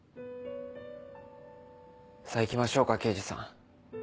さぁ行きましょうか刑事さん。